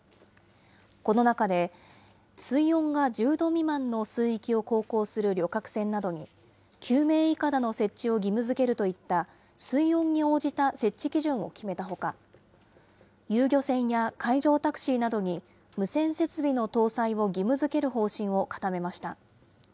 この中で、水温が１０度未満の水域を航行する旅客船などに、救命いかだの設置を義務づけるといった、水温に応じた設置基準を決めたほか、遊漁船や海上タクシーなどに、無線設備の搭載を義務づける方針を固めました。